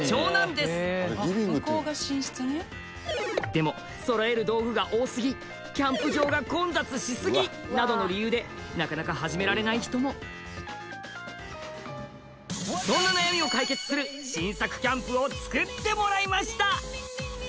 でも揃える道具が多すぎキャンプ場が混雑しすぎなどの理由でなかなか始められない人もそんな悩みを解決する新作キャンプをつくってもらいました！